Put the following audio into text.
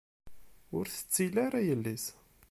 Ur tettil ara yelli-s.